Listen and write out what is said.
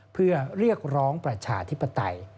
เพื่อเรียกร้องประชาธิปไตย